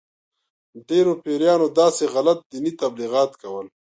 ډېرو پیرانو داسې غلط دیني تبلیغات کول.